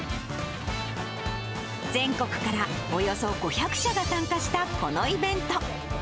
全国からおよそ５００社が参加したこのイベント。